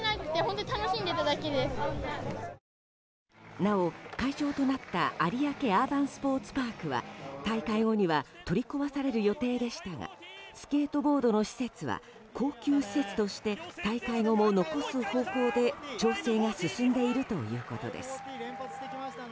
なお、会場となった有明アーバンスポーツパークは大会後には取り壊される予定でしたがスケートボードの施設は恒久施設として大会後も残す方向で調整が進んでいるということです。